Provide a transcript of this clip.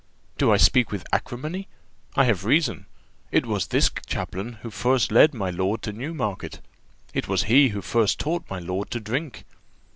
Do I speak with acrimony? I have reason. It was this chaplain who first led my lord to Newmarket; it was he who first taught my lord to drink.